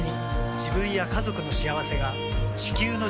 自分や家族の幸せが地球の幸せにつながっている。